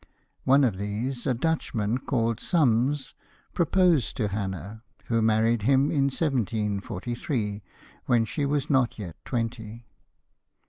One of these, a Dutchman called Summs, proposed to Hannah, who married him in 1743, when she was not yet twenty.